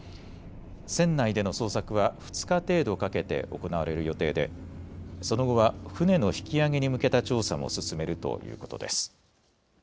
船内での捜索は２日程度かけて行われる予定でその後は船の引き揚げに向けた調査も進めるということです。